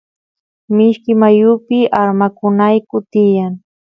mishki mayupi armakunayku tiyan